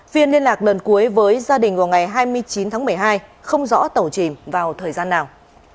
phiên liên lạc lần cuối với gia đình vào ngày hai mươi chín tháng một mươi hai không rõ tàu chìm vào thời gian nào